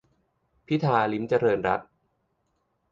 - พิธา ลิ้มเจริญรัตน์